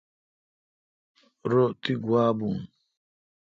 رو تی گوا بون۔